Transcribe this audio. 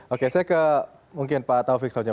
oke saya ke mungkin pak taufik saja